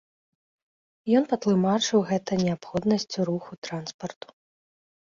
Ён патлумачыў гэта неабходнасцю руху транспарту.